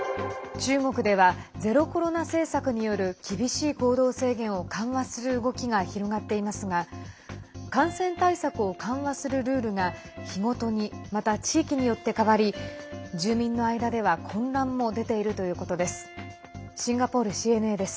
中国ではゼロコロナ政策による厳しい行動制限を緩和する動きが広がっていますが感染対策を緩和するルールが日ごとにまた、地域によって変わり住民の間では混乱も出ているということです。